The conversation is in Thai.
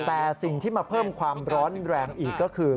แต่สิ่งที่มาเพิ่มความร้อนแรงอีกก็คือ